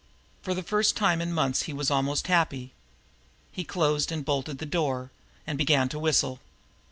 For the first time in months he was almost happy. He closed and bolted the door, and began to WHISTLE.